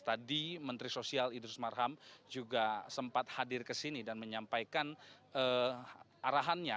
tadi menteri sosial idrus marham juga sempat hadir ke sini dan menyampaikan arahannya